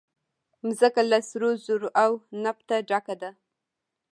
مځکه له سرو زرو او نفته ډکه ده.